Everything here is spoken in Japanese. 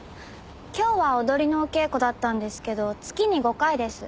今日は踊りのお稽古だったんですけど月に５回です。